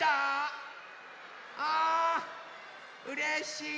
あうれしい！